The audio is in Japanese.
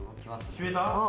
決めたな。